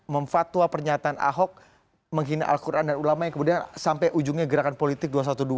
memfatwa pernyataan ahok menghina al quran dan ulama yang kemudian sampai ujungnya gerakan politik dua ratus dua belas